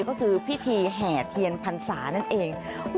ก็คือพิธีแห่เทียนพรรษานั่นเอง